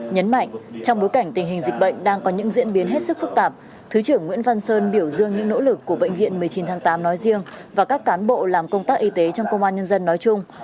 nhấn mạnh trong bối cảnh tình hình dịch bệnh đang có những diễn biến hết sức phức tạp thứ trưởng nguyễn văn sơn biểu dương những nỗ lực của bệnh viện một mươi chín tháng tám nói riêng và các cán bộ làm công tác y tế trong công an nhân dân nói chung